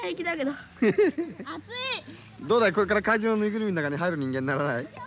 どうだいこれから怪獣の縫いぐるみの中に入る人間にならない？